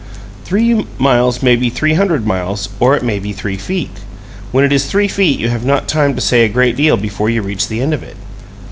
Three miles may be three hundred miles, or it may be three feet. When it is three feet you have not time to say a great deal before you reach the end of it.